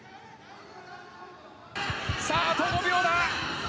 さあ、あと５秒だ。